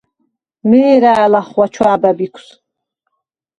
მე̄რა̄̈ლ ახღუ̂ა ჩუ̂ა̄ბრა ბიქუ̂ს.